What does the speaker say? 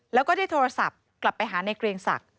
แล้วก็ได้โทรศัพท์กลับไปหาในเกรียงศักดิ์